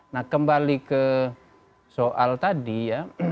nah kembali ke soal tadi ya